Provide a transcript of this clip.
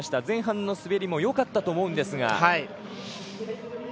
前半の滑りも良かったと思うんですが。